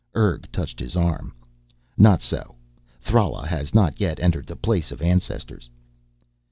Urg touched his arm. "Not so. Thrala has not yet entered the Place of Ancestors."